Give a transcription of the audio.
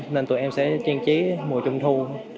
nên tụi em sẽ trang trí mùa trung thu